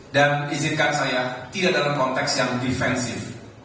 dan izinkan saya tidak dalam konteks yang defensif